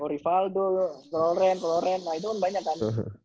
rivaldo loren loren nah itu kan banyak kan